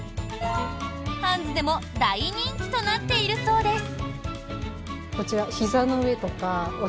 ハンズでも大人気となっているそうです。